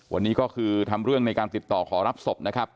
วันนี้ก็คือทำเรื่องในการติดต่อขอรับศพนะครับ